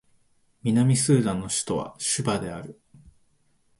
南スーダンの首都はジュバである